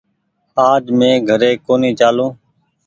آج مينٚ گھري ڪونيٚ چآلون